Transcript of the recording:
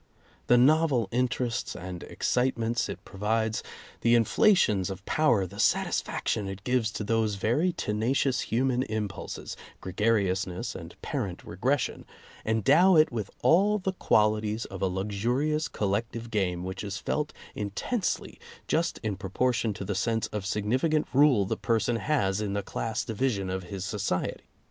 The novel interests and excitements it provides, the inflations of power, the satisfaction it gives to those very tenacious human impulses — gregariousness and parent regression — endow it with all the qualities of a luxurious collective game which is felt in tensely just in proportion to the sense of signifi cant rule the person has in the class division of his society.